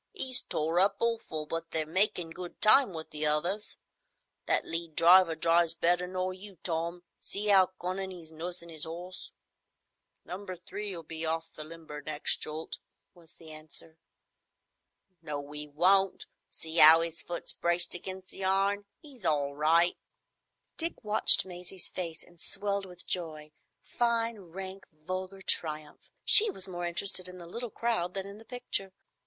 "'E's tore up awful, but they're makin' good time with the others. That lead driver drives better nor you, Tom. See 'ow cunnin' 'e's nursin' 'is 'orse." "Number Three'll be off the limber, next jolt," was the answer. "No, 'e won't. See 'ow 'is foot's braced against the iron? 'E's all right." Dick watched Maisie's face and swelled with joy—fine, rank, vulgar triumph. She was more interested in the little crowd than in the picture.